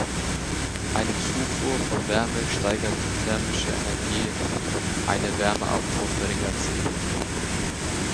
Eine Zufuhr von Wärme steigert die thermische Energie, eine Wärmeabfuhr verringert sie.